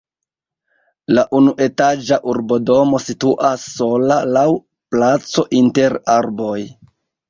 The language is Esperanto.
La unuetaĝa urbodomo situas sola laŭ placo inter arboj.